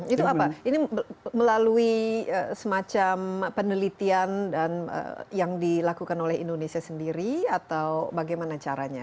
itu apa ini melalui semacam penelitian yang dilakukan oleh indonesia sendiri atau bagaimana caranya